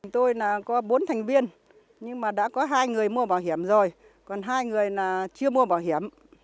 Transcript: tôi có bốn thành viên nhưng đã có hai người mua bảo hiểm rồi còn hai người chưa mua bảo hiểm